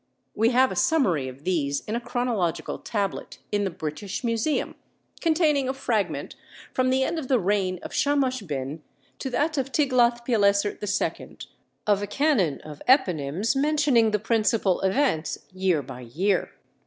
We have a summary of these in a chronological tablet in the British Museum, containing a fragment from the end of the reign of Shamash Bin to that of Tiglath pileser II of a canon of eponymes mentioning the principal events year by year.